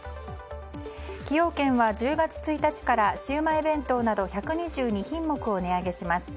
崎陽軒は１０月１日からシウマイ弁当など１２２品目を値上げします。